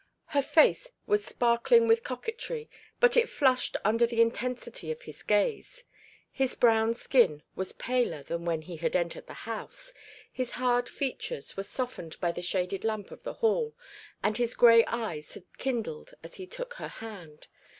Her face was sparkling with coquetry, but it flushed under the intensity of his gaze. His brown skin was paler than when he had entered the house, his hard features were softened by the shaded lamp of the hall, and his grey eyes had kindled as he took her hand.